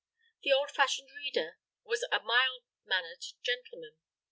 The old fashioned reader was a mild mannered gentleman.